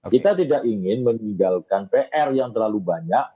kita tidak ingin meninggalkan pr yang terlalu banyak